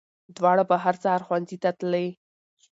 دواړه به هر سهار ښوونځي ته تلې